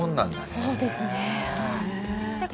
そうですね。